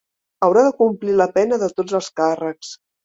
Haurà de complir la pena de tots els càrrecs.